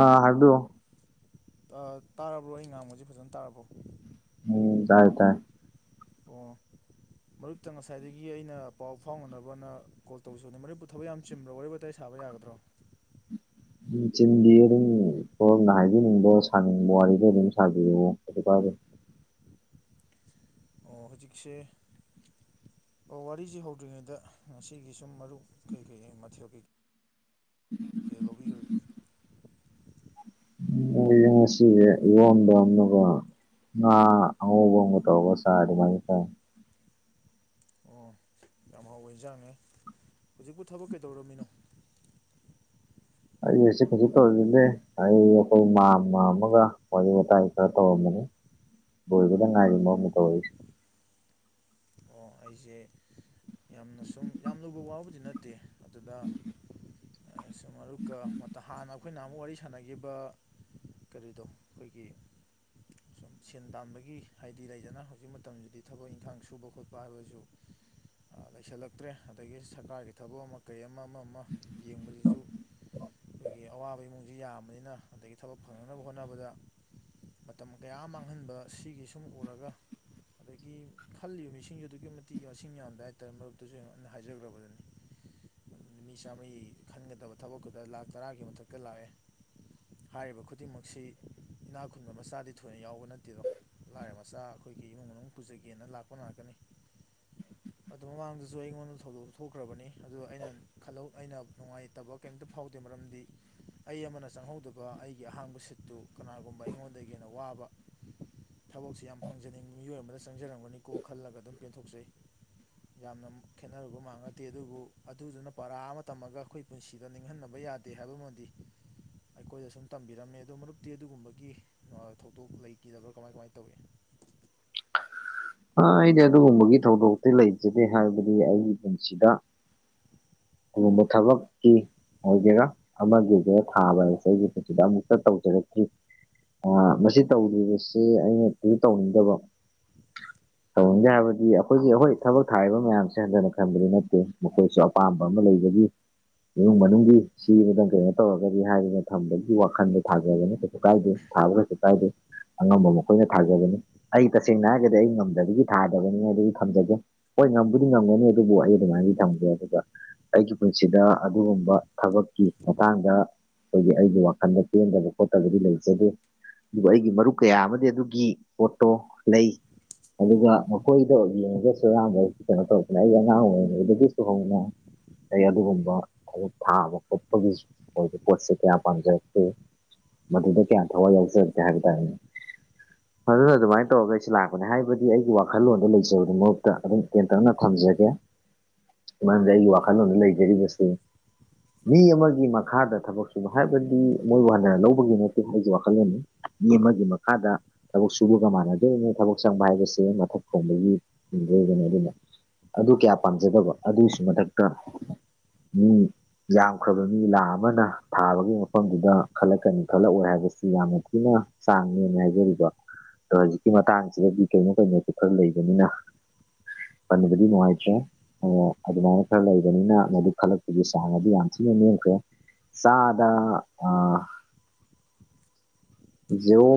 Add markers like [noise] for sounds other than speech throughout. ꯑꯥ ꯑꯗꯨ ꯑꯥ ꯇꯥꯔꯕ꯭ꯔꯣ ꯑꯩꯅ ꯉꯥꯡꯕꯖꯦ ꯐꯖꯅ ꯇꯥꯔꯕꯣ ꯎꯝ ꯇꯥꯏꯌꯦ ꯇꯥꯏꯌꯦ ꯑꯣ ꯃꯔꯨꯞꯇ ꯉꯁꯥꯏꯗꯒꯤ ꯑꯩꯅ ꯄꯥꯎ ꯐꯥꯎꯅꯅꯕꯅ ꯀꯣꯜ ꯇꯧꯖꯅꯤ ꯃꯔꯨꯞꯄꯨ ꯊꯕꯛ ꯌꯥꯝ ꯆꯤꯟꯕ꯭ꯔꯣ ꯋꯥꯔꯤ ꯋꯥꯇꯥꯏ ꯁ__ ꯁꯥꯥꯕ ꯌꯥꯒꯗ꯭ꯔꯣ ꯎꯝ ꯆꯗꯤꯗꯨꯝ ꯁꯣꯝꯅ ꯍꯥꯏꯕꯤꯅꯤꯡꯕ ꯁꯥꯅꯤꯡꯕ ꯋꯥꯔꯤꯗꯣ ꯑꯗꯨꯝ ꯁꯥꯕꯤꯔꯛꯑꯣ ꯀꯔꯤꯁꯨ ꯀꯥꯏꯗꯦ ꯑꯣ ꯍꯧꯖꯤꯛꯁꯦ ꯑꯣ ꯋꯥꯔꯤꯁꯤ ꯍꯧꯗ꯭ꯔꯤꯉꯩꯗ ꯉꯁꯤꯒꯤ ꯁꯨꯝ ꯃꯔꯨꯞ ꯀꯩꯀꯩ ꯃꯊꯦꯜ ꯀꯩ ꯊꯦꯜ ꯂꯧꯕꯤꯈ꯭ꯔꯒꯦ ꯎ ꯁꯤ ꯏꯔꯣꯟꯕꯥ ꯑꯃꯒ ꯉꯥ ꯉꯧꯕ ꯑꯃꯒ ꯇꯦꯔꯒ ꯆꯩ ꯔꯦ ꯑꯗꯨ ꯃꯥꯏ ꯇꯧꯏ ꯑꯣ ꯌꯥꯝ ꯍꯥꯎꯋꯦ ꯌꯦꯟꯖꯥꯡꯅꯦ ꯍꯧꯖꯤꯛꯄꯨ ꯊꯕꯛ ꯀꯩꯗꯧꯔꯝꯃꯤꯅꯣ ꯑꯩ ꯑꯁꯤ ꯍꯧꯖꯤꯛ ꯇꯧꯔꯤꯃꯗꯦ ꯑꯩ ꯑꯩꯈꯣꯏ ꯃꯥ ꯑꯃ ꯑꯃꯒ ꯋꯥꯔꯤ ꯋꯥꯇꯥꯏ ꯈꯔ ꯇꯧꯔꯝꯕꯅꯤ ꯂꯣꯏꯕꯗ ꯉꯥꯏꯔꯤ ꯑꯃꯨꯛꯅ ꯇꯧꯔꯛꯏ ꯑꯣ ꯑꯩꯁꯦ ꯌꯥꯝꯅ ꯁꯨꯝ ꯌꯥꯝ ꯂꯨꯕ ꯋꯥꯕꯨꯗꯤ ꯅꯠꯇꯦ ꯑꯗꯨꯗ ꯁꯨꯀ ꯃꯔꯨꯞꯛ ꯝ ꯍꯥꯟꯅ ꯑꯩꯈꯣꯏꯅ ꯑꯃꯨꯛ ꯋꯥꯔꯤ ꯁꯥꯟꯅꯈꯤꯕ ꯀꯔꯤꯗꯣ ꯑꯩꯈꯣꯏꯒꯤ ꯁꯨꯝ ꯁꯦꯟ ꯇꯥꯟꯕꯒꯤ ꯍꯥꯏꯗꯤ ꯂꯩꯖꯅ ꯍꯧꯖꯤꯛ ꯃꯇꯝꯁꯤꯗꯤ ꯊꯕꯛ ꯏꯪꯈꯥꯡ ꯁꯨꯕ ꯈꯣꯠꯄ ꯕꯥ ꯍꯥꯌꯕ ꯁꯨ ꯂꯩꯁꯤꯜꯂꯛꯇ꯭ꯔꯦ ꯑꯗꯒꯤ ꯁꯔꯀꯥꯔꯒꯤ ꯊꯕꯛ ꯑꯃ ꯀꯩ ꯑꯃ ꯑꯃ ꯑꯃ ꯌꯦꯡꯕꯁꯤꯁꯨ ꯑꯩꯈꯣꯏꯒꯤ ꯑꯋꯥꯕ ꯏꯃꯨꯡꯁꯤ ꯌꯥꯝꯕꯅꯤꯅ ꯑꯗꯒꯤ ꯊꯕꯛ ꯐꯪꯅꯅꯕ ꯍꯣꯠꯅꯕꯗ ꯃꯇꯝ ꯀꯌꯥ ꯃꯥꯡꯍꯟꯕ ꯁꯤꯒꯤ ꯁꯨꯝ ꯎꯔꯒ ꯑꯗꯒꯤ ꯈꯜꯂꯤꯕ ꯃꯤꯁꯤꯡ ꯑꯗꯨꯛꯀꯤ ꯃꯇꯤꯛ ꯃꯁꯤꯡ ꯌꯥꯝꯗ ꯍꯥꯏꯇꯥꯔꯦ ꯃꯔꯛꯇꯁꯨꯩꯅ ꯍꯥꯏꯖꯈ꯭ꯔꯕꯗꯨꯅꯤ ꯃꯤ ꯆꯥꯝꯃꯩ ꯈꯟꯒꯗꯕ ꯊꯕꯛꯇꯨꯗ ꯂꯥꯛ ꯇꯔꯥꯒꯤ ꯃꯊꯛꯇ ꯂꯥꯛꯑꯦ ꯍꯥꯏꯔꯤꯕ ꯈꯨꯗꯤꯡꯃꯛꯁꯤ ꯏꯅꯥ ꯈꯨꯨꯟꯕ ꯃꯆꯥꯗꯤ ꯊꯣꯏꯅ ꯌꯥꯎꯕ ꯅꯠꯇꯦꯗꯣ ꯂꯥꯏꯔ ꯃꯆꯥ ꯑꯩꯈꯣꯏꯒꯤ ꯏꯃꯨꯡ ꯃꯅꯨꯡ ꯄꯨꯖꯒꯦꯅ ꯂꯥꯛꯄ ꯉꯥꯛꯇꯥꯅꯤ ꯑꯗꯨ ꯃꯃꯥꯡꯗꯁꯨ ꯑꯩꯉꯣꯟꯗ ꯊꯧꯗꯣꯛ ꯊꯣꯛꯈ꯭ꯔꯕꯅꯤ ꯑꯗꯨ ꯑꯩꯅ ꯈꯜꯍꯧ ꯑꯩꯅ ꯅꯨꯡꯉꯥꯏꯇꯕꯛ ꯀꯩꯝꯇ ꯐꯥꯎꯗꯦ ꯃꯔꯝꯗꯤ ꯑꯩ ꯑꯃꯅ ꯆꯪꯍꯧꯗꯕ ꯑꯩꯒꯤ ꯑꯍꯥꯡꯕ ꯁꯤꯠꯇꯨ ꯀꯅꯥꯒꯨꯝꯕ ꯑꯩꯉꯣꯟꯗꯒꯤ ꯍꯦꯟꯅ ꯋꯥꯕ ꯊꯕꯛꯁꯤ ꯌꯥꯝ ꯐꯪꯖꯅꯤꯡꯕ ꯃꯤꯑꯣꯏ ꯑꯃꯗ ꯆꯪꯖꯔꯝꯒꯅꯤꯀꯣ ꯈꯜꯂꯒ ꯑꯗꯨꯝ ꯄꯦꯟꯊꯣꯛꯆꯩ ꯌꯥꯝꯅ ꯈꯦꯠꯅꯔꯨꯕ ꯃꯔꯀ ꯅꯗꯦ ꯑꯗꯨꯕꯨ ꯑꯗꯨꯗꯨꯅ ꯄꯔꯥ ꯑꯃ ꯇꯝꯃꯒ ꯑꯩꯈꯣꯏ ꯄꯨꯟꯁꯤꯗ ꯅꯤꯡꯍꯟꯅꯕ ꯌꯥꯗꯦ ꯍꯥꯏꯕꯃꯗꯤ ꯑꯩꯈꯣꯏꯗ ꯁꯨꯝ ꯇꯝꯕꯤꯔꯝꯃꯦ ꯑꯗꯣ ꯃꯔꯨꯞꯇꯤ ꯑꯗꯨꯒꯨꯝꯕꯒꯤ ꯊꯧꯗꯣꯛ ꯂꯩꯈꯤꯗꯕ꯭ꯔꯥ ꯀꯃꯥꯏ ꯀꯃꯥꯏꯅ ꯇꯧꯏ ꯑꯥ ꯑꯩꯗꯤ ꯑꯗꯨꯒꯨꯝꯕꯒꯤ ꯊꯧꯗꯣꯛꯇꯤ ꯂꯩꯖꯗꯦ ꯍꯥꯏꯕꯗꯤ ꯑꯩꯒꯤ ꯄꯨꯟꯁꯤꯗ ꯑꯗꯨꯒꯨꯝꯕ ꯊꯕꯛꯀꯤ ꯑꯣꯏꯒꯦꯔꯥ ꯑꯃꯒꯤ ꯑꯣꯏꯒꯦꯔꯥ ꯊꯥꯕ ꯍꯥꯌꯕꯁꯦ ꯑꯩꯒꯤ ꯄꯨꯟꯁꯤꯗ ꯑꯃꯨꯛꯇ ꯇꯧꯖꯔꯛꯇ ꯃꯁꯤ ꯇꯧꯔꯤꯕꯁꯤ ꯑꯩꯅ ꯗꯤꯇꯧꯅꯤꯡꯗꯕ [unintelligible] ꯇꯧꯅꯤꯡꯗꯦ ꯍꯥꯏꯕꯗꯤ ꯑꯩꯈꯣꯏꯒꯤ ꯑꯩꯈꯣꯏ ꯊꯕꯛ ꯊꯥꯔꯤꯕ ꯃꯌꯥꯝꯁꯦ ꯍꯟꯊꯅ ꯈꯟꯕꯗꯤ ꯅꯠꯇꯦ ꯃꯈꯣꯏꯁꯨ ꯐ ꯑꯄꯥꯝꯕ ꯑꯃ ꯂꯩꯕꯒꯤ ꯏꯃꯨꯡ ꯃꯅꯨꯡꯒꯤ ꯁꯦꯃꯇꯥꯪ ꯀꯩꯅꯣ ꯇꯧꯔꯒꯗꯤ ꯍꯥꯏꯗꯅ ꯊꯝꯕꯒꯤ ꯋꯥꯈꯟꯗꯣ ꯊꯥꯖꯕꯅꯦ ꯀꯩꯁꯨ ꯀꯥꯏꯗꯦ ꯊꯥꯕ ꯀꯔꯤꯁꯨ ꯀꯥꯏꯗꯦ ꯑꯉꯝꯕ ꯃꯈꯣꯏꯅ ꯊꯥꯖꯕꯅꯤ ꯑꯩ ꯇꯁꯦꯡꯅ ꯍꯥꯏ ꯍꯥꯏꯔꯒꯗꯤ ꯑꯩ ꯉꯝꯗꯕꯒꯤ ꯊꯥꯗꯕꯒꯦ ꯊꯗꯕꯅꯤ ꯍꯥꯏ ꯊꯝꯖꯒꯦ ꯍꯣꯏ ꯉꯝꯕꯨꯗꯤ ꯉꯝꯒꯅꯤ ꯑꯗꯨꯕꯨ ꯑꯩ ꯑꯗꯨꯃꯥꯏꯅꯗꯤ ꯇꯝꯒꯦ ꯑꯗꯨꯒ ꯑꯩꯒꯤ ꯄꯨꯟꯁꯤꯗ ꯑꯗꯨꯒꯨꯝꯕ ꯊꯕꯛꯀꯤ ꯃꯇꯥꯡꯗ ꯑꯩꯈꯣꯏꯒꯤ ꯑꯩꯒꯤ ꯋꯥꯈꯜꯗ ꯄꯦꯟꯗꯕ ꯈꯣꯠꯇꯕꯗꯤ ꯂꯩꯖꯗꯦ ꯑꯗꯨꯕꯨ ꯑꯩꯒꯤ ꯃꯔꯨꯞ ꯀꯌꯥ ꯑꯃꯗꯤ ꯑꯗꯨꯒꯤ ꯄꯣꯠꯇꯣ ꯂꯩ ꯑꯗꯨꯒ ꯃꯈꯣꯏꯗ ꯑꯣꯏ ꯌꯦꯡꯉꯒꯁꯨꯔꯥꯡꯥꯟꯕ ꯑꯩ ꯀꯩꯅꯣ ꯇꯧꯕꯅ ꯑꯩ ꯑꯉꯥꯡ ꯑꯣꯏꯔꯤꯉꯩꯗꯒꯤꯁꯨ ꯍꯧꯅꯥ ꯑꯩ ꯑꯗꯨꯒꯨꯝꯕ ꯊꯥꯕ ꯈꯣꯠꯄꯒꯤ ꯑꯣꯏꯕ ꯄꯣꯠꯁꯦ ꯀꯌꯥ ꯄꯥꯝꯖꯔꯛꯇꯀꯦ ꯃꯗꯨꯗ ꯀꯌꯥ ꯊꯋꯥꯏ ꯌꯥꯎꯖꯔꯛꯀꯦ ꯍꯥꯏꯕ ꯇꯥꯔꯦꯅꯦ ꯑꯗꯨꯅ ꯑꯗꯨꯃꯥꯏꯟ ꯇꯧꯔꯒ ꯑꯩꯁꯨ ꯂꯥꯛ ꯄꯅꯦ ꯍꯥꯏꯕꯗꯤ ꯑꯩꯒꯤ ꯋꯥꯈꯜꯂꯣꯟꯗ ꯂꯩꯖꯕꯗꯨ ꯃꯍꯨꯠꯇ ꯑꯗꯨꯝ ꯇꯦꯟꯇꯥꯛꯅ [unintelligible] ꯖꯒꯦ ꯃꯔꯝꯗꯤ ꯑꯩꯒꯤ ꯋꯥꯈꯜꯂꯣꯟꯗ ꯂꯩꯖꯔꯤꯕꯁꯤ ꯃꯤ ꯑꯃꯒꯤ ꯃꯈꯥꯗ ꯊꯕꯛ ꯁꯨꯕ ꯍꯥꯏꯕꯗꯤ ꯃꯣꯏꯕꯨ ꯍꯟꯊꯥꯅ ꯂꯧꯕꯒꯤ ꯅꯠꯇꯦ ꯑꯩꯖꯤ ꯋꯥꯈꯜꯂꯣꯟꯅꯤ ꯃꯤ ꯑꯃꯒꯤ ꯃꯈꯥꯗ ꯊꯕꯥꯛ ꯁꯨꯕꯒ ꯃꯥꯟꯅꯗꯣꯏꯅꯤ ꯊꯕꯥꯛ ꯆꯪꯕ ꯍꯥꯏꯕꯁꯤ ꯃꯊꯛ ꯊꯣꯡꯕꯒꯤ [unintelligible] ꯑꯗꯨ ꯀꯌꯥ ꯄꯥꯝꯖꯗꯕ ꯑꯗꯨꯏꯁꯨ ꯃꯊꯛꯇ ꯃꯤ ꯌꯥꯝꯈ꯭ꯔꯕ ꯃꯤ ꯂꯥꯛ ꯑꯃꯅ ꯊꯥꯕꯒꯤ ꯃꯐꯝꯗꯨꯗ ꯈꯜꯂꯛꯀꯅꯤ ꯈꯜꯂꯛꯑꯣꯏ ꯍꯥꯏꯕꯁꯤ ꯌꯥꯝꯅ ꯊꯤꯅ ꯆꯥꯡ ꯅꯦꯝꯃ‌ꯦ ꯍꯥꯏꯖꯔꯤꯕ ꯑꯗꯣ ꯍꯧꯖꯤꯛꯀꯤ ꯃꯇꯥꯡꯁꯤꯗꯗꯤ ꯀꯩꯅꯣ ꯀꯩꯅꯣꯁꯨ ꯈꯔ ꯂꯩꯕꯅꯤꯅ ꯄꯟꯕꯗꯤ ꯅꯨꯡꯉꯥꯏꯇ꯭ꯔꯦ ꯑꯣ ꯑꯗꯨꯃꯥꯏꯅ ꯈꯔ ꯂꯩꯕꯅꯤꯅ ꯃꯗꯨ ꯈꯜꯂꯛꯄꯒꯤ ꯆꯥꯡ ꯑꯗꯨ ꯌꯥꯝ ꯊꯤꯅ ꯅꯦꯝꯈ꯭ꯔꯦ ꯆꯥꯗ ꯑꯥ ꯖꯦꯔꯣ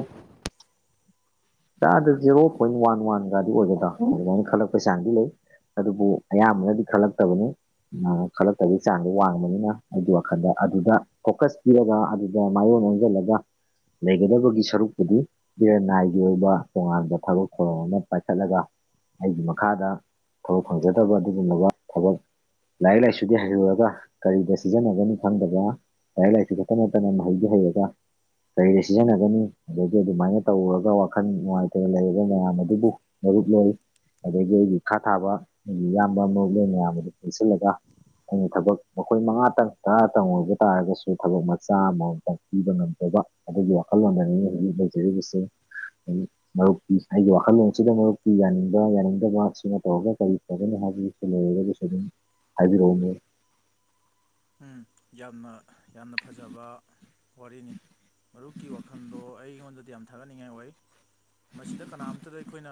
ꯆꯥꯗ ꯖꯦꯔꯣ ꯄꯣꯏꯟ ꯋꯥꯟ ꯋꯥꯟꯒꯗꯤ ꯑꯣꯏꯒꯗ꯭ꯔ ꯑꯗꯨꯃꯥꯏꯟ ꯈꯜꯂꯛꯄꯩ ꯆꯥꯡꯗꯤ ꯂꯩ ꯑꯗꯨꯕꯨ ꯑꯌꯥꯝꯕꯅꯗꯤ ꯈꯜꯂꯥꯛꯇꯕꯅꯤ ꯑꯣ ꯈꯜꯂꯛꯇꯕꯩ ꯆꯥꯡꯗꯣ ꯋꯥꯡꯕꯅꯤꯅ ꯑꯩꯒꯤ ꯋꯥꯈꯟꯗ ꯑꯗꯨꯗ ꯐꯣꯀꯁ ꯄꯤꯔꯒ ꯑꯗꯨꯗ ꯃꯥꯏꯌꯣꯟ ꯑꯣꯟꯁꯤꯜꯂꯒ ꯂꯩꯒꯗꯕꯒꯤ ꯁꯔꯨꯛꯄꯨꯗꯤ ꯏꯔꯟ ꯅꯥꯏ ꯒꯤ ꯑꯣꯏꯕ ꯇꯣꯉꯥꯟꯕ ꯊꯕꯛ ꯊꯧꯔꯝ ꯑꯃ ꯄꯥꯏꯈꯠꯂꯒ ꯑꯩꯒꯤ ꯃꯈꯥꯗ ꯊꯕꯛ ꯐꯪꯖꯗꯕ ꯑꯗꯨꯒꯨꯝꯂꯕ ꯊꯕꯛ ꯂꯥꯏꯔꯤꯛ ꯂꯥꯏꯁꯨꯗꯤ ꯍꯩꯔꯨꯔꯒ ꯀꯔꯤꯗ ꯁꯤꯖꯤꯟꯅꯒꯅꯤ ꯈꯪꯗꯕ ꯂꯥꯏꯔꯤꯛ ꯂꯥꯏꯁꯨ ꯈꯛꯇ ꯅꯠꯇꯅ ꯃꯍꯩꯁꯨ ꯍꯩꯔꯥꯒ ꯀꯔꯤꯗ ꯁꯤꯖꯤꯟꯅꯒꯅꯤ ꯑꯗꯒꯤ ꯑꯗꯨꯃꯥꯏꯅ ꯇꯧꯔꯨꯔꯒ ꯋꯥ ꯋꯥꯈꯜ ꯅꯨꯡꯉꯥꯏꯇꯅ ꯂꯩꯔꯕ ꯃꯌꯥꯝ ꯑꯗꯨꯕꯨ ꯃꯔꯨꯞ ꯂꯩ ꯑꯗꯒꯤ ꯑꯩꯒꯤ ꯏꯈꯥ ꯊꯥꯕ ꯑꯩꯒꯤ ꯏꯌꯥꯝꯕ ꯃꯨꯞꯂꯦꯟ ꯃꯌꯥꯝ ꯑꯗꯨ ꯄꯨꯟꯁꯤꯜꯂꯒ ꯑꯩꯅ ꯊꯕꯛ ꯃꯈꯣꯏ ꯃꯉꯥꯇꯪ ꯇꯔꯥꯇꯪ ꯑꯣꯏꯕ ꯇꯥꯔꯒꯁꯨ ꯊꯕꯛ ꯃꯆꯥ ꯑꯃꯃꯝꯇꯪ ꯄꯤꯕ ꯉꯝ [unintelligible] ꯕ ꯑꯗꯨꯒꯤ ꯋꯥꯈꯜꯂꯣꯟꯗꯅꯤ ꯍꯧꯖꯤꯛ ꯂꯩꯖꯔꯤꯕꯁꯤ [unintelligible] ꯃꯔꯨꯞꯀꯤ ꯑꯩꯒꯤ ꯋꯥꯈꯜꯂꯣꯟꯁꯤꯗ ꯃꯔꯨꯞꯇꯤ ꯌꯥꯅꯤꯡꯕ ꯌꯥꯅꯤꯡꯗꯕꯥ ꯁꯤꯃ ꯇꯧꯔꯒ ꯀꯔꯤ ꯐꯒꯅꯤ ꯍꯥꯏꯕꯩ ꯂꯩꯔꯒꯁꯨ ꯑꯗꯨꯝ ꯍꯥꯏꯕꯤꯔ‌ꯣꯑꯣ ꯅꯦ ꯎꯝ ꯌꯥꯝꯅ ꯌꯥꯝꯅ ꯐꯖꯕ ꯋꯥꯔꯤꯅꯤ ꯃꯔꯨꯞꯀꯤ ꯋꯥꯈꯟꯗꯣ ꯑꯩꯉꯣꯟꯗꯗꯤ ꯌꯥꯝ ꯊꯥꯒꯠꯅꯤꯡꯉꯥꯏ ꯑꯣꯏ ꯃꯁꯤꯗ ꯀꯅꯥꯝꯇꯗ ꯑꯩꯈꯣꯏꯅ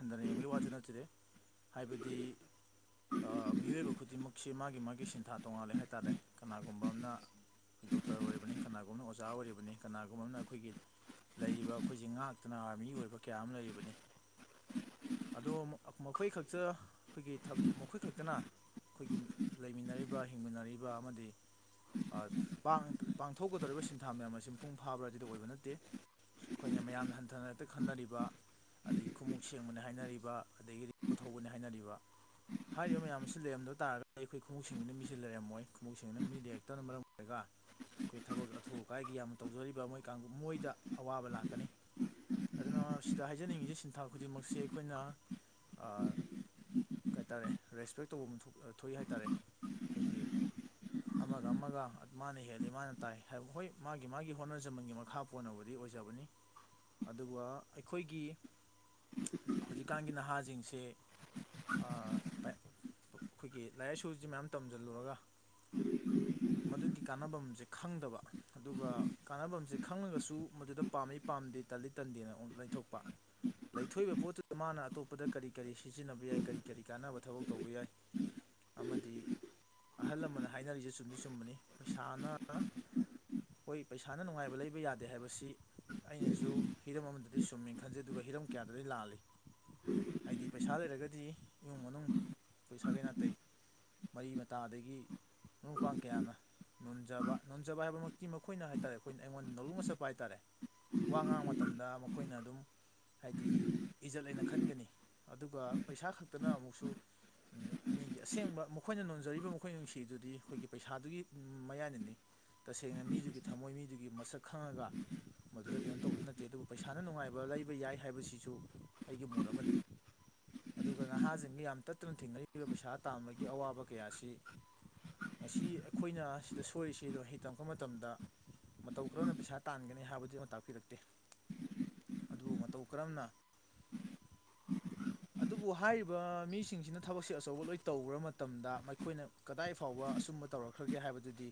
ꯍꯟꯊꯅ ꯌꯦꯡꯕꯩ ꯋꯥꯁꯨ ꯅꯠꯆꯗꯦ ꯍꯥꯏꯕꯗꯤ ꯑꯥ ꯃꯤꯑꯣꯏꯕ ꯈꯨꯗꯤꯡꯃꯛꯁꯦ ꯃꯥꯒꯤ ꯃꯥꯒꯤ ꯁꯤꯟꯊꯥ ꯇꯣꯉꯥꯂꯦ ꯍꯥꯏꯇꯥꯔꯦ ꯀꯅꯥꯒꯨꯝꯕ ꯑꯝꯅ ꯗꯣꯛꯇꯔ ꯑꯣꯏꯔꯕꯅꯤ ꯀꯅꯥꯒꯨꯝꯅ ꯑꯣ ꯖꯥ ꯑꯣꯏꯔꯤꯕꯅꯤ ꯀꯅꯥꯒꯨꯝꯕ ꯑꯝꯅ ꯑꯩꯈꯣꯏꯒꯤ ꯂꯩꯔꯤꯕ ꯑꯩꯈꯣꯏꯁꯦ ꯉꯥꯛ ꯇꯅ ꯑꯥꯔꯃꯤ ꯑꯣꯏꯕ ꯀꯌꯥ ꯑꯝ ꯂꯩꯔꯤꯕꯅꯤ ꯑꯗꯣ ꯃ ꯃꯈꯣꯏ ꯈꯛꯇ ꯈꯣꯏꯒꯤ ꯊ ꯃꯈꯣꯏ ꯈꯛꯇꯅ ꯈ‌ꯣꯏꯒꯤ ꯂꯩꯃꯤꯟꯅꯔꯤꯕ ꯍꯤꯡꯃꯤꯟꯅꯔꯤꯕ ꯑꯃꯗꯤ ꯑꯥ ꯄꯥꯡ ꯄꯥꯡꯊꯣꯛꯀꯗꯧꯔꯤꯕ ꯁꯤꯟꯊꯥ ꯃꯌꯥꯝ ꯑꯁꯤ ꯃꯄꯨꯡ ꯐꯥꯕ꯭ꯔꯥ ꯗꯨꯗꯤ ꯑꯣꯏꯕ ꯅꯠꯇꯦ ꯑꯈꯣꯏꯅ ꯃꯌꯥꯝꯅ ꯍꯟꯊꯅ ꯍꯦꯛꯇ ꯈꯟꯅꯔꯤꯕ ꯑꯗꯒꯤ ꯈꯨꯎꯞ ꯁꯦꯡꯕꯅꯤ ꯍꯥꯏꯅꯔꯤꯕ ꯑꯗꯒꯤ ꯎ ꯊꯧꯕꯅꯤ ꯍꯥꯏꯅꯔꯤꯕ ꯍꯥꯏꯔꯤꯕ ꯃꯌꯥꯝ ꯑꯁꯤ ꯂꯩꯔꯝꯗꯕ ꯇꯥꯔꯒꯗꯤ ꯑꯩꯈꯣꯏ ꯈꯣꯡꯎꯞ ꯁꯦꯡꯕꯤꯅ ꯃꯤꯁꯦ ꯂꯩꯔꯝꯃꯣꯏ ꯈꯣꯡꯎꯞ ꯁꯦꯡꯅꯕ ꯃꯤ ꯂꯩꯔꯛꯇꯟ ꯃꯔꯝ ꯑꯣꯏꯔꯒ ꯈꯣꯏ ꯊꯕꯛ ꯑꯊꯨ ꯑꯀꯥꯏꯒꯤ ꯌꯥꯝꯅ ꯇꯧꯖꯔꯤꯕ ꯃꯣꯏ ꯀꯥꯡꯒꯨ ꯃꯣꯏꯗ ꯑꯋꯥꯕ ꯂꯥꯛꯀꯅꯤ ꯑꯗꯨꯅ ꯁꯤꯗ ꯍꯥꯏꯖꯅꯤꯡꯉꯤꯁꯦ ꯁꯤꯟꯊꯥ ꯈꯨꯗꯤꯡꯃꯛꯁꯦ ꯑꯩꯈꯣꯏꯅ ꯑ ꯀꯩ ꯇꯥꯔꯦ ꯔꯦꯁꯄꯦꯛ ꯇꯧꯕꯝ ꯊ‌ꯣ ꯑꯥ ꯊꯣꯛꯏ ꯍꯥꯏ ꯇꯥꯔꯦ ꯈꯣꯏꯒꯤ ꯑꯃꯒ ꯑꯃꯒ ꯃꯥꯅ ꯍꯦꯜꯂꯤ ꯃꯥꯅ ꯇꯥꯏ ꯍꯥꯏꯕ ꯍꯣꯏ ꯃꯥꯒꯤ ꯃꯥꯒꯤ ꯍꯣꯠꯅꯖꯃꯟꯒꯤ ꯃꯈꯥ ꯄꫭꯟꯅꯕꯨꯗꯤ ꯑꯣꯏꯖꯕꯅꯤ ꯑꯗꯨꯒ ꯑꯩꯈꯣꯏꯒꯤ ꯍꯧꯖꯤꯛꯀꯥꯟꯒꯤ ꯅꯍꯥꯁꯤꯡꯁꯤ ꯑ ꯄꯥꯏ ꯑꯩꯈꯣꯏꯒꯤ ꯂꯥꯏꯔꯤꯛ ꯂꯥꯏꯁꯨꯁꯤ ꯃꯌꯥꯝ ꯇꯝꯁꯤꯜꯂꯨꯔꯒ ꯃꯗꯨꯒꯤ ꯀꯥꯟꯅꯚꯝꯁꯦ ꯈꯪꯗꯕ꯫ ꯑꯗꯨꯒ ꯀꯥꯟꯅꯚꯝꯁꯦ ꯈꯪꯪꯂꯒꯁꯨ ꯃꯗꯨꯗ ꯄꯥꯝꯃꯤ ꯄꯥꯝꯗꯦ ꯇꯟꯂꯤ ꯇꯟꯗꯦꯅ ꯑꯃꯨꯛ ꯂꯩꯊꯣꯛꯄ꯫ ꯂꯩꯊꯣꯛꯏꯕ ꯄꯣꯠꯇꯨꯗ ꯃꯥꯅ ꯑꯇꯣꯞꯄꯗ ꯀꯔꯤ-ꯀꯔꯤ ꯁꯤꯖꯤꯟꯅꯕ ꯌꯥꯏ ꯀꯔꯤ-ꯀꯔꯤ ꯀꯥꯟꯅꯕ ꯊꯕꯛ ꯇꯧꯕ ꯌꯥꯏ꯫ ꯑꯃꯗꯤ ꯑꯍꯜ ꯂꯃꯟꯅ ꯍꯥꯏꯅꯔꯤꯁꯦ ꯆꯨꯝꯗꯤ ꯆꯨꯝꯕꯅꯤ ꯄꯩꯁꯥꯅ ꯍꯣꯏ ꯄꯩꯁꯥꯅ ꯅꯨꯡꯉꯥꯏꯕ ꯂꯩꯕ ꯌꯥꯗꯦ ꯍꯥꯏꯕꯁꯤ ꯑꯩꯅꯁꯨ ꯍꯤꯔꯝ ꯑꯃꯗꯗꯤ ꯆꯨꯝꯃꯦ ꯈꯟꯖꯩ ꯑꯗꯨꯒ ꯍꯤꯔꯝ ꯀꯌꯥꯗꯗꯤ ꯂꯥꯜꯂꯤ ꯍꯥꯏꯗꯤ ꯄꯩꯁꯥ ꯂꯩꯔꯒꯗꯤ ꯏꯃꯨꯡ ꯃꯅꯨꯡ ꯑꯩꯈꯣꯏ ꯁꯥꯒꯩ ꯅꯥꯇꯩ ꯃꯔꯤ ꯃꯇꯥꯗꯒꯤ ꯃꯔꯨꯝ ꯃꯄꯥꯡ ꯀꯌꯥꯅ ꯅꯣꯟꯖꯕ ꯅꯣꯟꯖꯕ ꯍꯥꯏꯕꯃꯛꯇꯤ ꯃꯈꯣꯏꯅ ꯍꯥꯏꯇꯥꯔꯦ ꯑꯈꯣꯏꯅ ꯑꯩꯉꯣꯟꯗ ꯅꯧꯂꯨꯛꯅ ꯆꯠꯄ ꯍꯥꯏꯇꯥꯔꯦ꯫ ꯋꯥ ꯉꯥꯡꯕ ꯃꯇꯝꯗ ꯃꯈꯣꯏꯅ ꯑꯗꯨꯝ ꯍꯥꯏꯗꯤ ꯏꯖꯠ ꯂꯩꯅ ꯈꯟꯒꯅꯤ ꯑꯗꯨꯒ ꯄꯩꯁꯥ ꯈꯛꯇꯅ ꯑꯃꯨꯛꯁꯨ ꯃꯤꯒꯤ ꯑꯁꯦꯡꯕ ꯃꯈꯣꯏꯅ ꯅꯣꯟꯖꯔꯤꯕ ꯃꯈꯣꯏꯅ ꯅꯨꯡꯁꯤ ꯁꯤꯗꯨꯗꯤ ꯑꯈꯣꯏꯒꯤ ꯄꯩꯁꯥꯗꯨꯒꯤ ꯃꯌꯥꯏꯅꯅꯤ꯫ ꯇꯁꯦꯡꯅ ꯃꯤꯗꯨꯒꯤ ꯊꯝꯃꯣꯏ ꯃꯤꯗꯨꯒꯤ ꯃꯁꯛ ꯈꯪꯉꯒ ꯃꯗꯨꯗ ꯀꯩꯅꯣ ꯇꯧꯕꯗꯤ ꯅꯠꯇꯦ ꯑꯗꯨꯕꯨ ꯄꯩꯁꯥꯅ ꯅꯨꯡꯉꯥꯏꯕ ꯂꯩꯕ ꯌꯥꯏ ꯍꯥꯏꯕꯁꯤꯁꯨ ꯑꯩꯒꯤ ꯃꯣꯠ ꯑꯃꯅꯤ꯫ ꯑꯗꯨꯒ ꯅꯍꯥꯁꯤꯡꯒ ꯌꯥꯝ ꯇꯠꯇꯨꯅ ꯊꯦꯡꯅꯔꯤꯕ ꯄꯩꯁꯥ ꯇꯥꯝꯕꯒꯤ ꯑꯋꯥꯕ ꯀꯌꯥ ꯑꯁꯤ ꯉꯁꯤ ꯑꯈꯣꯏꯅ ꯁꯤꯗ ꯁꯣꯏꯔꯤꯁꯤꯗ ꯍꯩ ꯇꯝꯃꯛꯄ ꯃꯇꯝꯗ ꯃꯇꯧ ꯀꯔꯝꯅ ꯄꯩꯁꯥ ꯇꯥꯟꯒꯅꯤ ꯍꯥꯏꯕꯗꯨ ꯑꯃ ꯇꯥꯛꯄꯤꯔꯛꯇꯦ꯫ ꯑꯗꯨꯕꯨ ꯃꯇꯧ ꯀꯔꯝꯅ ꯑꯗꯨꯕꯨ ꯍꯥꯏꯔꯤꯕ ꯃꯤꯁꯤꯡꯁꯤꯅ ꯊꯕꯛꯁꯦ ꯑꯆꯧꯕ ꯂꯣꯏ ꯇꯧꯒ꯭ꯔ ꯃꯇꯝꯗꯥ ꯃꯩꯈꯣꯏꯅ ꯀꯗꯥꯏ ꯐꯥꯎꯕ ꯑꯁꯨꯝꯕ ꯇꯧꯔꯛꯈ꯭ꯔꯒꯦ ꯍꯥꯏꯕꯗꯨꯗꯤ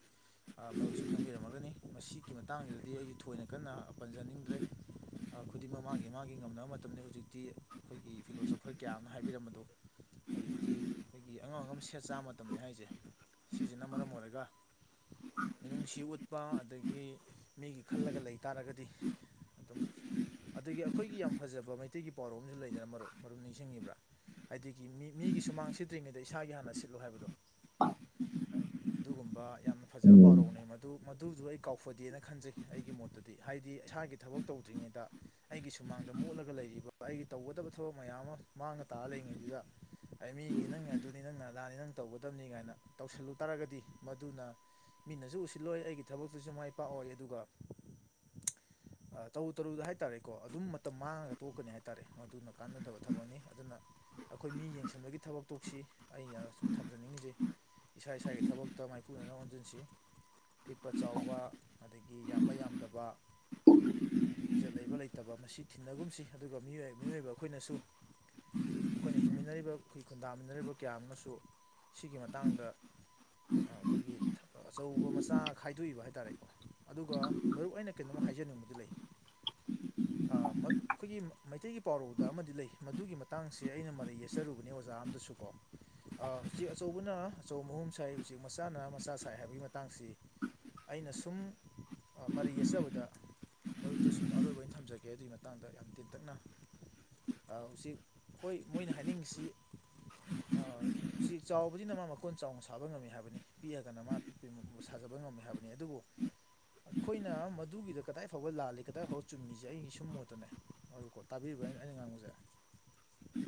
ꯑꯥ ꯃꯔꯨꯞꯁꯨ ꯈꯪꯕꯤꯔꯝꯃꯒꯅꯤ ꯃꯁꯤꯒꯤ ꯃꯇꯥꯡꯁꯤꯗꯗꯤ ꯑꯩꯁꯨ ꯊꯣꯏꯅ ꯀꯟꯅ ꯄꯟꯖꯅꯤꯡꯗ꯭ꯔꯦ꯫ ꯑ ꯈꯨꯗꯤꯡꯃꯛ ꯃꯥꯒꯤ-ꯃꯥꯒꯤ ꯉꯝꯅꯕ ꯃꯇꯝꯅꯤ ꯍꯧꯖꯤꯛꯇꯤ꯫ ꯑꯩꯈꯣꯏꯒꯤ ꯐꯤꯂꯣꯁꯣꯐꯔ ꯀꯌꯥ ꯑꯃꯅ ꯍꯥꯏꯕꯤꯔꯝꯕꯗꯣ ꯍꯧꯖꯤꯛꯇꯤ ꯑꯩꯈꯣꯏꯒꯤ ꯑꯉꯝ-ꯑꯉꯝ ꯁꯦꯠ ꯆꯥꯕ ꯃꯇꯝꯅꯤ ꯍꯥꯏꯁꯦ꯫ ꯁꯤꯁꯤꯅ ꯃꯔꯝ ꯑꯣꯏꯔꯒ ꯃꯤꯅꯨꯡꯁꯤ ꯎꯠꯄꯥ ꯑꯗꯒꯤ ꯃꯤꯒꯤ ꯈꯜꯂꯒ ꯂꯩ ꯇꯥꯔꯒꯗꯤ ꯑꯗꯨꯝ ꯑꯗꯒꯤ ꯑꯩꯈꯣꯏꯒꯤ ꯌꯥꯝ ꯐꯖꯕ ꯃꯩꯇꯩꯒꯤ ꯄꯥꯎꯔꯧ ꯑꯃꯁꯨ ꯂꯩꯗꯅ ꯃꯔꯨꯞ ꯃꯔꯨꯞ ꯅꯤꯡꯁꯤꯡꯉꯤꯕ꯭ꯔꯥ꯫ ꯍꯥꯏꯗꯤꯒꯤ ꯃꯤ ꯃꯤꯒꯤ ꯁꯨꯃꯥꯡ ꯁꯤꯠꯇ꯭ꯔꯤꯉꯩꯗ ꯏꯁꯥꯒꯤ ꯍꯥꯟꯅ ꯁꯤꯠꯂꫭ ꯍꯥꯏꯕꯗꯣ꯫ ꯑꯗꯨꯒꯨꯝꯕꯥ ꯌꯥꯝꯅ ꯐꯖꯕ ꯎꯝ ꯄꯥꯎꯔꯧꯅꯤ ꯃꯗꯨ ꯃꯗꯨꯗꯨꯣ ꯑꯩ ꯀꯥꯎꯐꯗꯦꯅ ꯈꯟꯖꯩ ꯑꯩꯒꯤ ꯃꯣꯠꯇꯗꯤ ꯍꯥꯏꯗꯤ ꯏꯁꯥꯒꯤ ꯊꯕꯛ ꯇꯧꯗ꯭ꯔꯤꯉꯩꯗ ꯑꯩꯒꯤ ꯁꯨꯃꯥꯡꯗ ꯃꯣꯠꯂꯒ ꯂꯩꯔꯤꯕ ꯑꯩꯒꯤ ꯇꯧꯒꯗꯕ ꯊꯕꯛ ꯃꯌꯥꯝ ꯑꯃ ꯃꯥꯡꯅ ꯇꯥꯔ ꯂꯩꯔꯤꯉꯩꯗꯨꯗ ꯑꯩ ꯃꯤꯒꯤ ꯅꯪꯅ ꯑꯗꯨꯅꯤ ꯅꯪꯅ ꯑꯗꯥꯅꯤ ꯅꯪ ꯇꯧꯒꯗꯕꯅꯤ ꯀꯥꯏꯅ ꯇꯧꯁꯤꯜꯂꯨ ꯇꯥꯔꯒꯗꯤ ꯃꯗꯨꯅ ꯃꯤꯅꯁꯨ ꯎꯁꯤꯜꯂꯣꯏ ꯑꯩꯒꯤ ꯊꯕꯛꯇꯨꯁꯨ ꯃꯥꯏ ꯄꯥꯛꯑꯣꯏ ꯑꯗꯨꯒ ꯑ ꯇꯧ ꯇꯔꯨ ꯇꯔꯨꯗ ꯍꯥꯏꯇꯥꯔꯦꯀꯣ ꯑꯗꯨꯝ ꯃꯇꯝ ꯃꯥꯡꯉꯒ ꯊꯣꯛꯀꯅꯤ ꯍꯥꯏ ꯇꯥꯔꯦ ꯃꯗꯨꯅ ꯀꯥꯟꯅꯗꯕ ꯊꯕꯛꯅꯤ ꯑꯗꯨꯅ ꯑꯩꯈꯣꯏ ꯃꯤ ꯌꯦꯡꯁꯤꯟꯕꯒꯤ ꯊꯕꯛ ꯇꫭꯛꯁꯤ꯫ ꯑꯩꯅ ꯁꯨꯝ ꯊꯝꯖꯅꯤꯡꯉꯤꯁꯤ ꯏꯁꯥ ꯏꯁꯥꯒꯤ ꯊꯕꯛꯇ ꯃꯥꯏꯄꯨꯅꯅ ꯑꯣꯟꯖꯤꯟꯁꯤ꯫ ꯄꯤꯛꯄ ꯆꯥꯎꯕ ꯑꯗꯒꯤ ꯌꯥꯝꯕ ꯌꯥꯝꯗꯕ꯫ ꯑꯗꯒꯤ ꯏꯖꯠ ꯂꯩꯕ ꯂꯩꯇꯕ ꯃꯁꯤ ꯊꯤꯟꯅꯒꯨꯝꯁꯤ ꯑꯗꯨꯒ ꯃꯤꯑꯣꯏ ꯃꯤꯑꫭꯏꯕ ꯑꯩꯈꯣꯏꯅꯁꯨ ꯑꯩꯈꯣꯏꯅ ꯍꯤꯡꯃꯤꯟꯅꯔꯤꯕ ꯑꯩꯈꯒꯤ ꯈꯨꯟꯗꯥꯃꯤꯟꯅꯔꯤꯕ ꯀꯌꯥ ꯑꯃꯁꯨ ꯁꯤꯒꯤ ꯃ ꯇꯥꯡꯗ ꯑ ꯈꯣꯏꯒꯤ ꯑꯆꯧꯕ ꯃꯆꯥ ꯈꯥꯏꯗꯣꯛꯏꯕ ꯍꯥꯏꯇꯥꯔꯦꯀꯣ꯫ ꯑꯗꯨꯒꯥ ꯃꯔꯨꯞ ꯑꯩꯅ ꯀꯩꯅꯣꯝꯃ ꯍꯥꯏꯖꯅꯤꯡꯕꯖꯗꯤ ꯂꯩ ꯑꯥ ꯃ ꯑꯈꯣꯏꯒꯤ ꯃꯩꯇꯩꯒꯤ ꯄꯥꯎꯔꯧꯗ ꯑꯃꯗꯤ ꯂꯩ ꯃꯗꯨꯒꯤ ꯃꯇꯥꯡꯁꯦ ꯑꯩꯅ ꯃꯔꯩ ꯌꯦꯠꯆꯔꯨꯕꯅꯦ ꯑꯣꯖꯥ ꯑꯝꯗꯁꯨ ꯀꯣ ꯑꯥ ꯎꯆꯦꯛ ꯑꯆꯧꯕꯅ ꯑꯆꯧꯕ ꯃꯍꯨꯝ ꯁꯥꯏ ꯎꯆꯦꯛ ꯃꯆꯥꯅ ꯃꯆꯥ ꯁꯥꯏ ꯍꯥꯏꯕꯒꯤ ꯃꯇꯥꯡꯁꯤ ꯑꯩꯅ ꯁꯨꯝ ꯑꯥ ꯃꯔꯩ ꯌꯦꯠꯆꯕꯗ ꯃꯔꯨꯞꯇ ꯁꯨꯝ ꯑꯔꯣꯏꯕ ꯑꯣꯏꯅ ꯊꯝꯖꯒꯦ ꯑꯗꯨꯒꯤ ꯃꯇꯥꯡꯗ ꯌꯥꯝ ꯇꯦꯟꯇꯛꯅ ꯑꯥ ꯎꯆꯦꯛ ꯍꯣꯏ ꯃꯣꯏꯅ ꯍꯥꯏꯅꯤꯡꯉꯤꯁꯤ ꯑꯥ ꯎꯆꯦꯛ ꯆꯥꯎ ꯍꯨꯖꯤꯅ ꯃꯥ ꯃꯀꯣꯟ ꯆꯥꯎꯅ ꯁꯥꯕ ꯉꯝꯃꯤ ꯍꯥꯏꯕꯅꯤ ꯄꯤꯛꯑꯒꯅ ꯃꯥ ꯄꯤꯛꯄꯩ ꯃ ꯁꯥꯖꯕ ꯉꯝꯃꯤ ꯍꯥꯏꯕꯅꯤ ꯑꯗꯨꯕꯨ ꯑꯈꯣꯏꯅ ꯃꯗꯨꯒꯤꯗ ꯀꯗꯥꯏ ꯐꯥꯎꯕ ꯂꯥꯜꯂꯤ ꯀꯗꯥꯏ ꯐꯥꯎꯕ ꯆꯨꯝꯃꯤꯁꯦ ꯑꯩꯒꯤ ꯁꯨꯝ ꯃꯣꯠꯇꯅꯦ [unintelligible] ꯇꯥꯕꯤꯕ꯭ꯔꯥ ꯑꯩꯅ ꯑꯩꯅ ꯉꯥꯡꯕꯖꯦ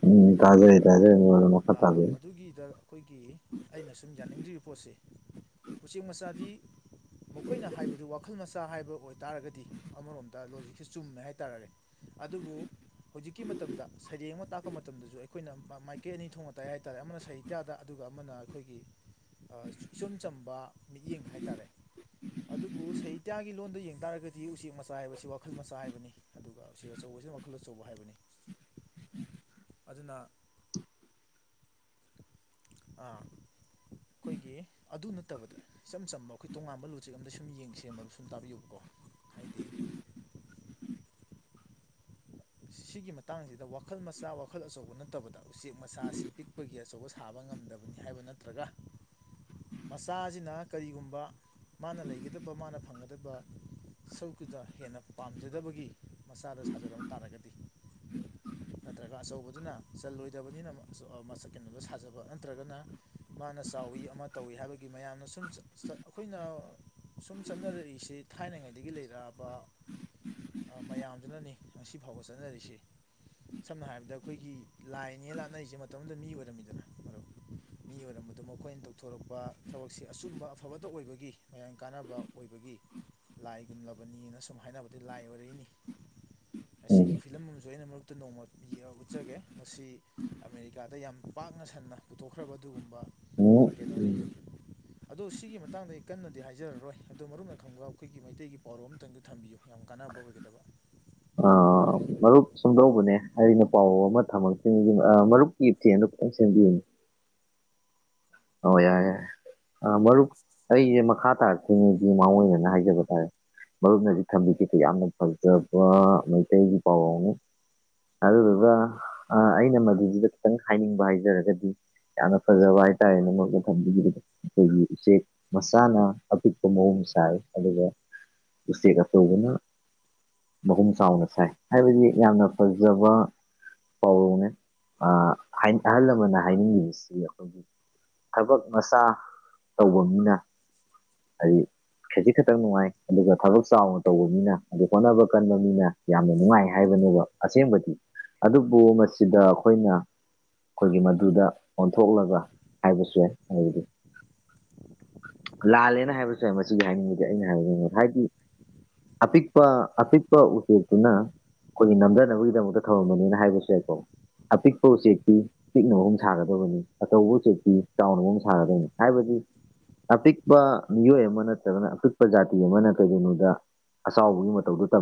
ꯎꯝ ꯇꯥꯖꯩ ꯇꯖꯩ [unintelligible] ꯃꯈꯥ ꯇꯥꯕꯤꯌꯨ ꯑꯗꯨꯒꯤꯗ ꯑꯈꯣꯏꯒꯤ ꯑꯩꯅ ꯁꯨꯝ ꯌꯥꯅꯤꯡꯗ꯭ꯔꯤꯕ ꯄꯣꯠꯁꯦ ꯎꯆꯦꯛ ꯃꯆꯥꯗꯤ ꯃꯈꯣꯏꯅ ꯍꯥꯏꯕꯗꯨ ꯋꯥꯈꯜ ꯃꯆꯥ ꯍꯥꯏꯕ ꯑꯣꯏꯇꯥꯔꯒꯗꯤ ꯑꯃꯔꯣꯝꯗ ꯂꯣꯖꯤꯛꯁꯦ ꯆꯨꯝꯃꯦ ꯍꯥꯏꯇꯥꯔꯦ ꯑꯗꯨꯕꯨ ꯍꯧꯖꯤꯛꯀꯤ ꯃꯇꯝꯗ ꯁꯩꯔꯦꯡ ꯑꯃ ꯇꯥꯛꯄ ꯃꯇꯝꯗꯁꯨ ꯑꯩꯈꯣꯏꯅ ꯃ ꯃꯥꯏ ꯀꯦ ꯑꯅꯤ ꯊꯣꯛꯅ ꯇꯥꯛꯑꯦ ꯍꯥꯏꯇꯥꯔꯦ ꯑꯃꯅ ꯁꯍꯤꯇ꯭ꯌꯥꯗ ꯑꯗꯨꯒ ꯑꯃꯅ ꯑꯩꯈꯣꯏꯒꯤ ꯑꯥ ꯏꯆꯨꯝ ꯆꯝꯕ ꯃꯤꯠꯌꯦꯡ ꯍꯥꯏꯇꯥꯔꯦ ꯑꯗꯨꯕꯨ ꯁꯍꯤꯇ꯭ꯌꯥꯒꯤ ꯂꯣꯟꯗ ꯌꯦꯡ ꯇꯥꯔꯒꯗꯤ ꯎꯆꯦꯛ ꯃꯆꯥ ꯍꯥꯏꯕꯁꯤ ꯋꯥꯈꯜ ꯃꯆꯥ ꯍꯥꯏꯕꯅꯤ ꯑꯗꯨꯒ ꯎꯆꯦꯛ ꯑꯆꯧꯕꯁꯤꯅ ꯋꯥꯈꯜ ꯑꯆꯧꯕ ꯍꯥꯏꯕꯅꯤ ꯑꯗꯨꯅ ꯑꯥ ꯑꯈꯣꯏꯒꯤ ꯑꯗꯨ ꯅꯠꯇꯕꯗ ꯏꯆꯝ ꯆꯝꯕ ꯑꯈꯣꯏ ꯇꯣꯉꯥꯟꯕ ꯂꯣꯖꯤꯛ ꯑꯝꯗ ꯁꯨꯝ ꯌꯦꯡꯁꯦ ꯃꯔꯨꯞ ꯁꯨꯝ ꯇꯥꯕꯤꯌꯨꯕꯀꯣ ꯍꯥꯏꯗꯤ ꯁꯤꯒꯤ ꯃꯇꯥꯡꯁꯤꯗ ꯋꯥꯈꯜ ꯃꯆꯥ ꯋꯥꯈꯜ ꯑꯆꯧꯕ ꯅꯠꯇꯕꯗ ꯎꯆꯦꯛ ꯃꯆꯥꯁꯤ ꯄꯤꯛ ꯄꯤꯛꯄꯒꯤ ꯑꯆꯧꯕ ꯁꯥꯕ ꯉꯝꯗꯕꯅꯤ ꯍꯥꯏꯕ ꯅꯠꯇ꯭ꯔꯒ ꯃꯆꯥꯖꯤꯅ ꯀꯔꯤꯒꯨꯝꯕ ꯃꯥꯅ ꯂꯩꯒꯗꯕ ꯃꯥꯅ ꯐꯪꯒꯗꯕ ꯁꯔꯨꯛꯇꯨꯗ ꯍꯦꯟꯅ ꯄꯥꯝꯖꯗꯕꯒꯤ ꯃꯆꯥꯗ ꯁꯥꯖꯔꯝꯕ ꯇꯥꯔꯒꯗꯤ ꯅꯠꯇ꯭ꯔꯒ ꯑꯆꯧꯕꯗꯨꯅ ꯆꯜꯂꯣꯏꯗꯕꯅꯤꯅ ꯃ ꯆ ꯑꯥ ꯃꯁꯛ ꯀꯩꯅꯣꯗꯣ ꯁꯥꯖꯕ ꯅꯠꯇ꯭ꯔꯒꯅ ꯃꯥꯅ ꯆꯥꯎꯋꯤ ꯑꯃ ꯇꯧꯏ ꯍꯥꯏꯕꯒꯤ ꯃꯌꯥꯝꯅ ꯁꯨꯝ ꯆ ꯆ ꯑꯩꯈꯣꯏꯅ ꯁꯨꯝ ꯆꯠꯅꯔꯛꯏꯁꯦ ꯊꯥꯏꯅꯉꯩꯗꯒꯤ ꯂꯩꯔꯛꯑꯕ ꯑꯥ ꯃꯌꯥꯝꯗꯨꯅꯅꯤ ꯉꯁꯤꯐꯥꯎꯕ ꯆꯠꯅꯔꯤꯁꯤ ꯁꯝꯅ ꯍꯥꯏꯔꯕꯗ ꯑꯈꯣꯏꯒꯤ ꯂꯥꯏꯅꯦꯅ ꯂꯥꯠꯅꯔꯤꯖꯦ ꯃꯇꯝ ꯑꯃꯗ ꯃꯤ ꯑꯣꯏꯔꯝꯃꯤꯗꯅ ꯃꯔꯨꯞ ꯃꯤ ꯑꯣꯏꯔꯝꯕꯗꯣ ꯃꯈꯣꯏꯅ ꯇꯧꯊꯣꯔꯛꯄ ꯊꯕꯛꯁꯦ ꯑꯆꯨꯝꯕ ꯑꯐꯕꯇ ꯑꯣꯏꯕꯒꯤ ꯃꯌꯥꯝ ꯀꯥꯟꯅꯕ ꯑꯣꯏꯕꯒꯤ ꯂꯥꯏꯒꯨꯝꯂꯕꯅꯤꯅ ꯁꯨꯝ ꯍꯥꯏꯅꯕꯗꯩ ꯂꯥꯏ ꯑꯣꯏꯔꯛꯏꯅꯤ ꯎꯝ ꯑꯁꯤꯒꯤ ꯐꯤꯂꯝ ꯑꯝꯁꯨ ꯑꯩꯅ ꯃꯔꯨꯞꯇ ꯅꯣꯡꯃ ꯌꯥ ꯎꯠꯆꯒꯦ ꯃꯁꯤ ꯑꯃꯦꯔꯤꯀꯥꯗ ꯌꯥꯝ ꯄꯥꯛꯅ ꯁꯟꯅ ꯄꯨꯊꯣꯛꯈ꯭ꯔꯕ ꯑꯗꯨꯒꯨꯝꯕ ꯎꯝ ꯀꯩꯅꯣꯅꯤ ꯑꯗꯣ ꯁꯤꯒꯤ ꯃꯇꯥꯡꯗ ꯑꯩ ꯀꯟꯅꯗꯤ ꯍꯥꯏꯖꯔꯔꯣꯏ ꯑꯗꯣ ꯃꯔꯨꯞꯅ ꯈꯪꯕ ꯑꯈꯣꯏꯒꯤ ꯃꯩꯇꯩꯒꯤ ꯄꯥꯎꯔꯣ ꯑꯝꯇꯪꯗꯤ ꯊꯝꯕꯤꯌꯨ ꯌꯥꯝ ꯀꯥꯟꯅꯕ ꯑꯣꯏꯒꯗꯕ ꯑꯥ ꯃꯔꯨꯞ ꯁꯨꯝꯗꯧꯕꯅꯦ ꯑꯩꯅ ꯄꯥꯎꯔꯧ ꯑꯃ ꯊꯝꯃꯛꯇꯨꯏꯅꯤꯅ ꯑꯥ ꯃꯔꯨꯞꯀꯤ ꯇꯦꯟꯗꯨ ꯈꯤꯇꯪ ꯁꯦꯝꯕꯤꯌꯨꯅꯦ ꯑꯧ ꯌꯥꯔꯦ ꯌꯥꯔꯦ ꯑꯥ ꯃꯔꯨꯞ ꯑꯩꯖꯦ ꯃꯈꯥ ꯇꯥꯔꯛꯇ꯭ꯔꯤꯉꯩꯒꯤ ꯃꯥꯡꯑꯣꯏꯅꯅ ꯍꯥꯏꯖꯕ ꯇꯥꯔꯦ ꯃꯔꯨꯞꯅ ꯍꯖꯤꯛ ꯊꯝꯕꯤꯈꯤꯗꯨ ꯌꯥꯝꯅ ꯐꯖꯕ ꯃꯩꯇꯩꯒꯤ ꯄꯥꯎꯔꯧꯅꯤ ꯑꯗꯨꯗꯨꯒ ꯑꯥ ꯑꯩꯅ ꯃꯗꯨꯗꯨꯗ ꯈꯤꯇꯪ ꯍꯥꯏꯅꯤꯡꯕ ꯍꯥꯏꯖꯔꯒꯗꯤ ꯌꯥꯝꯅ ꯐꯖꯕ ꯍꯥꯏꯇꯥꯏꯔꯦꯅꯦ ꯃꯔꯨꯞꯅ ꯊꯝꯕꯤꯈꯤꯕꯗꯨ ꯑꯩꯈꯣꯏꯒꯤ ꯎꯆꯦꯛ ꯃꯆꯥꯅ ꯑꯄꯤꯛꯄ ꯃꯍꯨꯝ ꯁꯥꯏ ꯑꯗꯨꯒ ꯎꯆꯦꯛ ꯑꯆꯧꯕꯅ ꯃꯍꯨꯝ ꯆꯥꯎꯅ ꯁꯥꯏ ꯍꯥꯏꯕꯗꯤ ꯌꯥꯝꯅ ꯐꯖꯕ ꯄꯥꯎꯔꯧꯅꯦ ꯑꯥ ꯍꯥꯏꯟ ꯑꯍꯜ ꯂꯃꯟꯅ ꯍꯥꯏꯅꯤꯡꯉꯤꯁꯤ ꯑꯈꯣꯏꯒꯤ ꯊꯕꯛ ꯃꯆꯥ ꯇꯧꯕ ꯃꯤꯅ ꯍꯥꯏꯗꯤ ꯈꯖꯤꯛ ꯈꯛꯇꯪ ꯅꯨꯡꯉꯥꯏ ꯑꯗꯨꯒ ꯊꯕꯛ ꯆꯥꯎꯅ ꯇꯧꯕ ꯃꯤꯅ ꯑꯗꯨ ꯍꯣꯠꯅꯕ ꯀꯟꯕ ꯃꯤꯅ ꯌꯥꯝꯅ ꯅꯨꯡꯉꯥꯏ ꯍꯥꯏꯕꯅꯦꯕ ꯑꯁꯦꯡꯕꯗꯤ ꯑꯗꯨꯕꯨ ꯃꯁꯤꯗ ꯑꯩꯈꯣꯏꯅ ꯑꯩꯈꯣꯏꯒꯤ ꯃꯗꯨꯗ ꯄꯥꯡꯊꯣꯛꯂꯒꯥ ꯍꯥꯏꯕꯁꯨ ꯌꯥꯏ ꯑꯗꯨꯗꯤ ꯂꯥꯜꯂꯦꯅ ꯍꯥꯏꯕꯁꯨ ꯌꯥꯏ ꯃꯁꯤꯒꯤ ꯍꯥꯏꯅꯤꯡꯕꯗꯤ ꯑꯩꯅ ꯍꯥꯏꯅꯤꯡꯉꯦ ꯍꯥꯏꯗꯤ ꯑꯄꯤꯛꯄꯥ ꯑꯄꯤꯛꯄꯥ ꯎꯆꯦꯛꯁꯤꯅ ꯑꯩꯈꯣꯏꯒꯤ ꯅꯝꯗꯅꯕꯒꯤꯗꯃꯛꯇ ꯊꯝꯃꯝꯕꯅꯦꯁꯨ ꯍꯥꯏꯕꯁꯨ ꯌꯥꯏꯀꯣ ꯑꯄꯤꯛꯄ ꯎꯆꯦꯛꯇꯤ ꯄꯤꯛꯅ ꯃꯍꯨꯝ ꯁꯥꯒꯗꯕꯅꯤ ꯑꯆꯧꯕ ꯎꯆꯦꯛ ꯆꯥꯎꯅ ꯃꯍꯨꯝ ꯁꯥꯒꯗꯕꯅꯤ ꯍꯥꯏꯕꯗꯤ ꯑꯄꯤꯛꯄ ꯃꯤꯑꯣꯏ ꯑꯃ ꯅꯠꯇ꯭ꯔꯒꯅ ꯑꯄꯤꯛꯄ ꯖꯥꯇꯤ ꯑꯃꯅ ꯀꯩꯗꯧꯅꯨꯡꯗꯥ ꯑꯁꯥꯎꯕꯒꯤ ꯃꯇꯧꯗꯨ ꯇꯝ